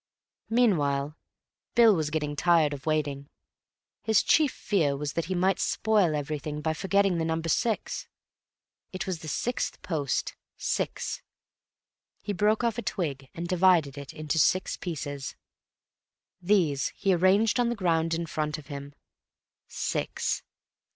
Meanwhile Bill was getting tired of waiting. His chief fear was that he might spoil everything by forgetting the number "six." It was the sixth post. Six. He broke off a twig and divided it into six pieces. These he arranged on the ground in front of him. Six.